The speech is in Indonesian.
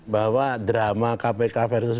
bahwa drama kpk versus